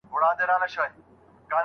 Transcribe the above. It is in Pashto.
ډېر چاڼ به د لوړ ږغ سره دلته راوړل نه سي.